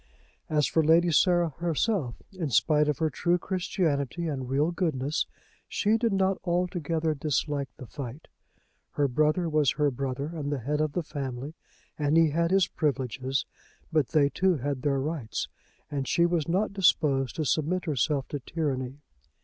As for Lady Sarah herself, in spite of her true Christianity and real goodness, she did not altogether dislike the fight. Her brother was her brother, and the head of the family, and he had his privileges; but they too had their rights, and she was not disposed to submit herself to tyranny.